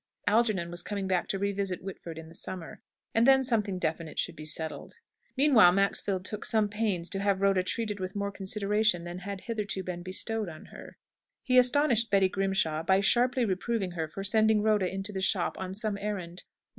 Algernon was coming back to revisit Whitford in the summer, and then something definite should be settled. Meanwhile, Maxfield took some pains to have Rhoda treated with more consideration than had hitherto been bestowed on her. He astonished Betty Grimshaw by sharply reproving her for sending Rhoda into the shop on some errand.